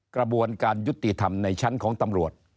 กระบวนการยุติธรรมในชั้นของตำรวจ